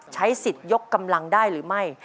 ใช้สิทธิ์ยกกำลังได้หรือไม่